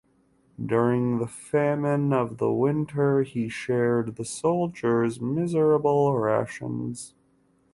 During the famine of the winter he shared the soldiers' miserable rations.